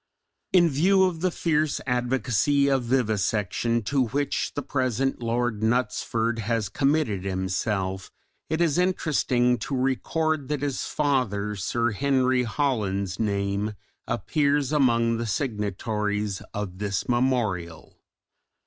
In view of the fierce advocacy of vivisection to which the present Lord Knutsford has committed himself it is interesting to record that his father Sir Henry Holland's name appears among the signatories of this memorial.